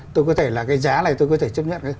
tôi có thể là cái giá này tôi có thể chấp nhận